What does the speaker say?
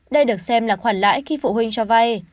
đây được xem là khoản lãi khi phụ huynh cho vay